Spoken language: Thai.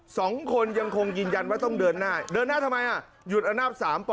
สองคนยังคงยืนยันว่าต้องเดินหน้าเดินหน้าทำไมอ่ะหยุดอำนาจสามป